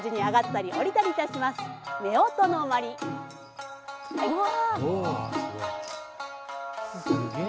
すげえ！